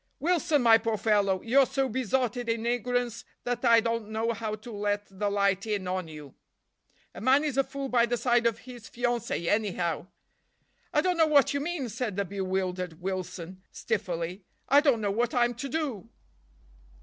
"Wilson, my poor fellow, you're so besotted in ignorance that I don't know how to let the light in on you. A man is a fool by the side of his fiancée, anyhow." "I don't know what you mean," said the bewildered Wilson stiffly. "I don't know what I'm to do."